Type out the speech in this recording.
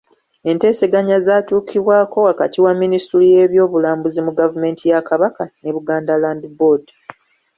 Enteeseganya zaatuukibwako wakati wa minisitule y’ebyobulambuzi mu gavumenti ya Kabaka ne Buganda Land Board.